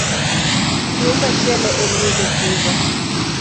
Tuwo machielo en yellow fever.